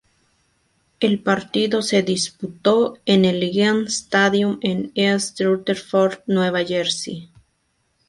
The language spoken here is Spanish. El partido se disputó en el Giants Stadium en East Rutherford, Nueva Jersey.